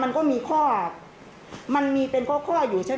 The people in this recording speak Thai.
มันเป็นเรื่องละเอียดอ่อนแล้ว